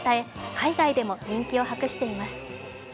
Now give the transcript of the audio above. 海外でも人気を博しています。